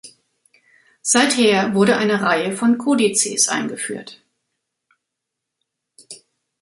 Seither wurde eine Reihe von Kodizes eingeführt.